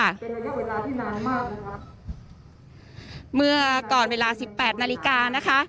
เป็นระยะเวลาที่นานมากนะครับเมื่อก่อนเวลาสิบแปดนาฬิกานะคะ